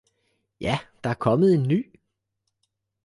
Ja der er kommet en ny!